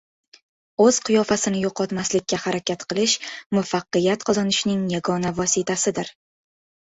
O‘z qiyofasini yo‘qotmaslikka harakat qilish muvaffaqiyat qozonishning yagona vositasidir.